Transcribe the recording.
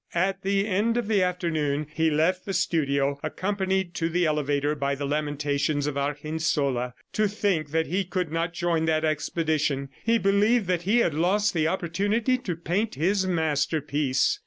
At the end of the afternoon, he left the studio, accompanied to the elevator by the lamentations of Argensola. To think that he could not join that expedition! ... He believed that he had lost the opportunity to paint his masterpiece.